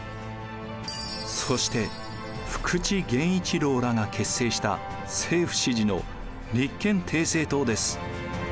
そして福地源一郎らが結成した政府支持の立憲帝政党です。